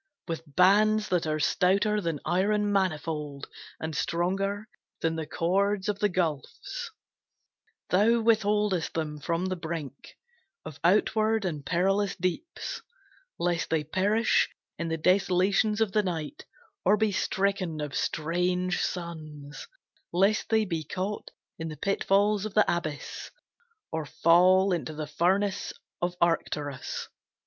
With bands that are stouter than iron manifold, And stronger than the cords of the gulfs, Thou withholdest them from the brink Of outward and perilous deeps, Lest they perish in the desolations of the night, Or be stricken of strange suns; Lest they be caught in the pitfalls of the abyss, Or fall into the furnace of Arcturus.